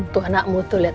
tuh anakmu tuh liat